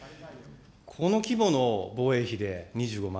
この規模の防衛費で２５万。